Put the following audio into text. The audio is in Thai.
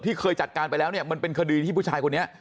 เคยจัดการไปแล้วเนี่ยมันเป็นคดีที่ผู้ชายคนนี้